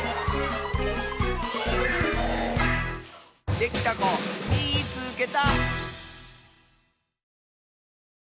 できたこみいつけた！